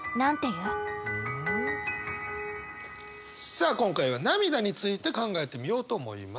さあ今回は涙について考えてみようと思います。